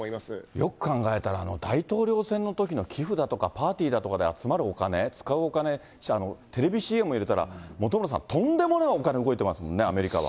よく考えたら、大統領選のときの寄付だとか、パーティーだとかで集まるお金、使うお金、テレビＣＭ入れたら、本村さん、とんでもないお金、動いてますもんね、アメリカは。